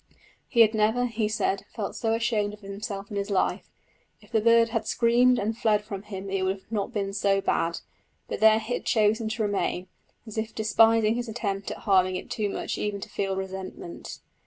He had never, he said, felt so ashamed of himself in his life! If the bird had screamed and fled from him it would not have been so bad, but there it had chosen to remain, as if despising his attempt at harming it too much even to feel resentment.